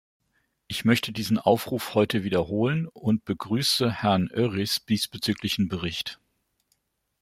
Ich möchte diesen Aufruf heute wiederholen und begrüße Herrn Őrys diesbezüglichen Bericht.